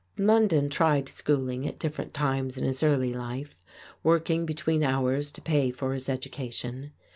London tried schooling at different times in his early life, working between hours to pay for his education.